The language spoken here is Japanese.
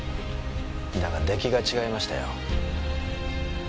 だが出来が違いましたよ。